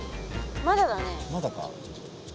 まだだね。まだか。